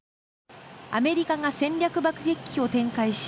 アメリカが戦略爆撃機を展開し